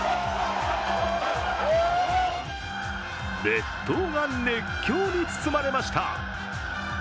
列島が熱狂に包まれました。